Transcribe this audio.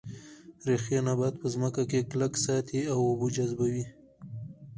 ریښې نبات په ځمکه کې کلک ساتي او اوبه جذبوي